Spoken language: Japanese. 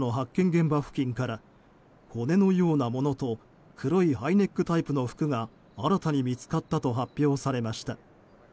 現場付近から骨のようなものと黒いハイネックタイプの服が新たに見つかったと発表されました。